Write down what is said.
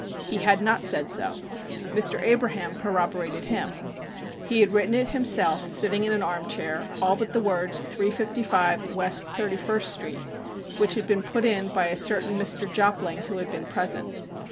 He had not said so. Mr. Abraham corroborated him. He had written it himself sitting in an armchair, all but the words "355 West Thirty first Street," which had been put in by a certain Mr. Jopling who had been present.